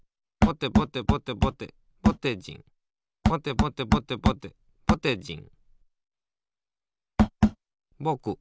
「ぼてぼてぼてぼてじん」